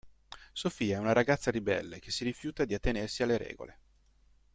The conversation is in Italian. Sophia è una ragazza ribelle che si rifiuta di attenersi alle regole.